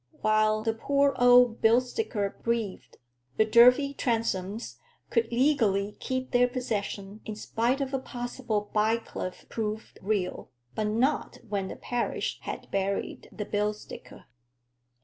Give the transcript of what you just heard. While the poor old bill sticker breathed, the Durfey Transomes could legally keep their possession in spite of a possible Bycliffe proved real; but not when the parish had buried the bill sticker.